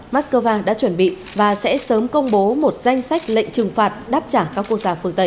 moscow đã chuẩn bị và sẽ sớm công bố một danh sách lệnh trừng phạt đáp trả các quốc gia phương tây